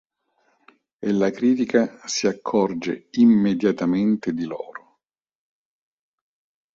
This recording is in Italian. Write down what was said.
E la critica si accorge immediatamente di loro.